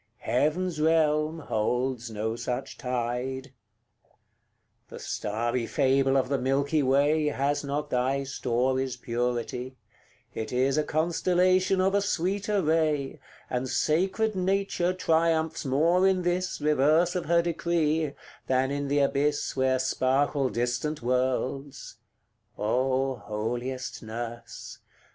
heaven's realm holds no such tide. CLI. The starry fable of the milky way Has not thy story's purity; it is A constellation of a sweeter ray, And sacred Nature triumphs more in this Reverse of her decree, than in the abyss Where sparkle distant worlds: Oh, holiest nurse!